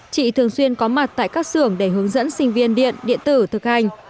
chị thường xuyên có mặt tại các xưởng để hướng dẫn sinh viên điện điện tử thực hành